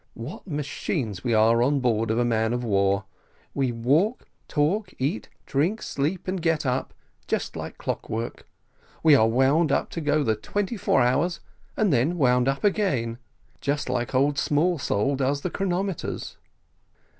What machines we are on board of a man of war! We walk, talk, eat, drink, sleep, and get up, just like clock work; we are wound up to go the twenty four hours, and then wound up again; just like old Smallsole does the chronometers."